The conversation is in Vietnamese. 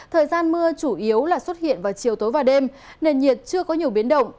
thời gian mưa chủ yếu là xuất hiện vào chiều tối và đêm nền nhiệt chưa có nhiều biến động